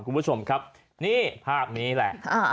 คุณผู้ชมครับนี่ภาพนี้แหละ